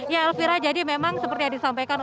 ya elvira jadi memang seperti yang disampaikan